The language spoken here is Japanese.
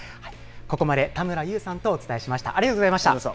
ここまで、田村優さんとお伝えしました。